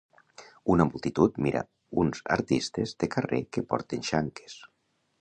Una multitud mira uns artistes de carrer que porten xanques.